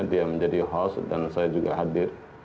dia menjadi host dan saya juga hadir